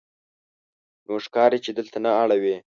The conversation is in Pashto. نو ښکاري چې دلته نه اړوې.